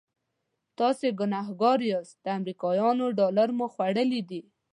تاسې ګنهګار یاست د امریکایانو ډالر مو خوړلي دي.